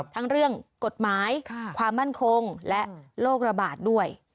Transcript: ทั้งเรื่องกฎหมายความมั่นคงและโรคระบาดด้วย